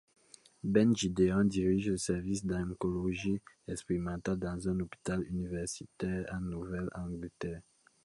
Ben Gideon dirige le service d'oncologie expérimentale dans un hôpital universitaire en Nouvelle-Angleterre.